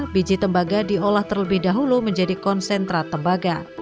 biji tembaga diolah terlebih dahulu menjadi konsentrat tembaga